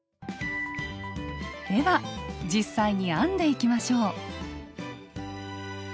では実際に編んでいきましょう。